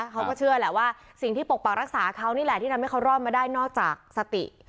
เขาก็เชื่อแหละว่าสิ่งที่ปกปักรักษาเขานี่แหละที่ทำให้เขารอดมาได้นอกจากสติ